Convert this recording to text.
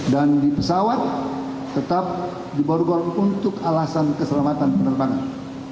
dan di pesawat tetap di borgol untuk alasan keselamatan penerbangan